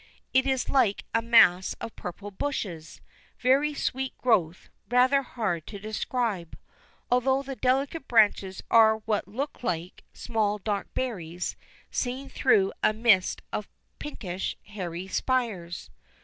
It is like a mass of purple bushes, a very sweet growth rather hard to describe. All through the delicate branches are what look like small dark berries, seen through a mist of pinkish, hairy spires.